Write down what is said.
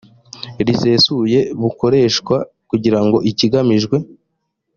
risesuye bukoreshwe kugira ngo ikigamijwe